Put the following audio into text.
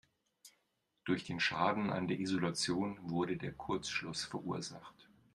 Durch den Schaden an der Isolation wurde der Kurzschluss verursacht.